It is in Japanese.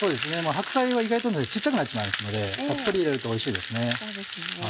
白菜は意外と小っちゃくなってしまいますのでたっぷり入れるとおいしいですね。